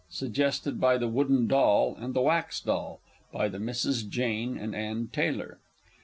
_ _Suggested by "The Wooden Doll and the Wax Doll," by the Misses Jane and Ann Taylor.